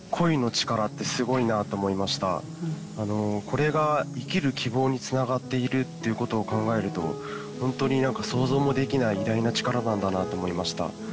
これが生きる希望につながっているっていうことを考えると本当に何か想像もできない偉大な力なんだなと思いました。